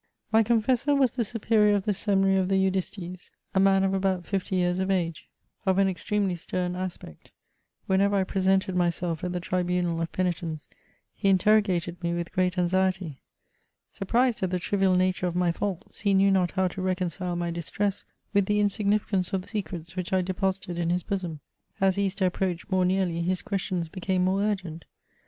My confessor was the Superior of the Seminary of the Eudistes, a man of about fifty years of age, of an extremely stem aspect : whenever I presented myself at the tribunal of peni tence, he interrogated me with great anxiety. Surprised at the trivial nature of my faults, he knew not how to reconcile my distress with the insignificance of the secrets which I deposited in his bosom. As Easter approached more nearly, his questions became more urgent.